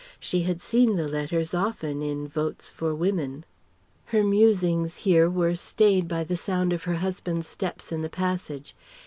She had seen the letters often in "Votes for Women."... Her musings here were stayed by the sound of her husband's steps in the passage.